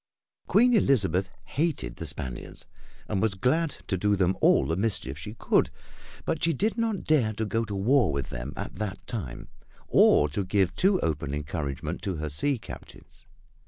Queen Elizabeth hated the Spaniards and was glad to do them all the mischief she could, but she did not dare to go to war with them at that time or to give too open encouragement to her sea captains.